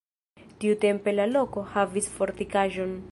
Tiutempe la loko havis fortikaĵon.